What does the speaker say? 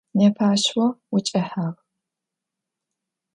Непэ ащ о укӏэхьагъ.